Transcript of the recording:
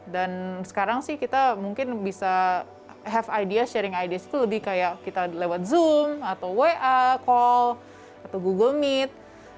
dan sekarang sih kita mungkin bisa sharing ideas itu lebih kayak kita lewat zoom atau wa call atau google meet